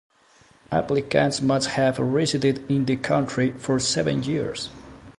Applicants must have resided in the country for seven years.